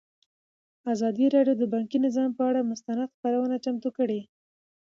ازادي راډیو د بانکي نظام پر اړه مستند خپرونه چمتو کړې.